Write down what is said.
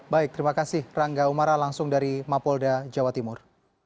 baik terima kasih rangga umara langsung dari mapolda jawa timur